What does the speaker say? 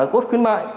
code khuyến mại